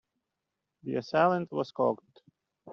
The assailant was caught.